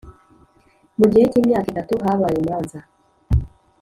mu gihe cy imyaka itatu habaye imanza